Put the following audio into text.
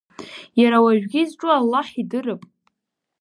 Иара уажәгьы изҿу аллаҳ идырп.